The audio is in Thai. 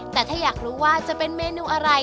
แต่ถ้าอยากรู้ว่าจะเป็นเมนูอะไร